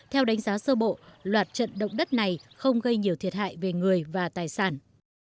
theo đánh giá sơ bộ loạt trận động đất này không gây nhiều thiệt hại về người và tài sản